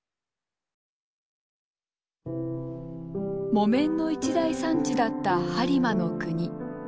木綿の一大産地だった播磨国。